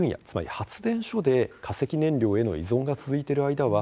つまり発電所で化石燃料への依存が続いている間